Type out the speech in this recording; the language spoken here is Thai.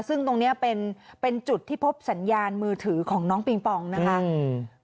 ซึ่งตรงเนี้ยเป็นเป็นจุดที่พบสัญญาณมือถือของน้องปิงปองนะคะอืม